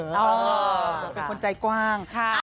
เป็นคนใจกว้าง